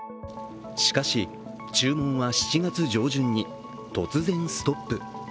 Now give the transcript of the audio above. しかし、注文は７月上旬に突然ストップ。